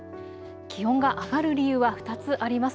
気温が上がる理由は２つあります。